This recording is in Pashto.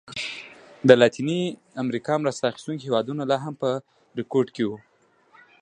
د لاتینې امریکا مرسته اخیستونکي هېوادونه لا هم په رکود کې وو.